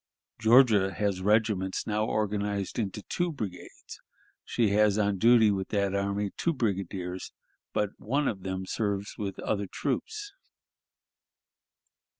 Georgia has regiments now organized into two brigades; she has on duty with that army two brigadiers, but one of them serves with other troops.